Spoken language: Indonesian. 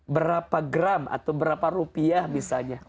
berapa gram atau berapa rupiah misalnya